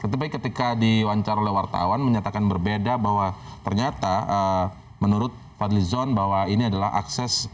tetapi ketika diwawancara oleh wartawan menyatakan berbeda bahwa ternyata menurut fadli zon bahwa ini adalah akses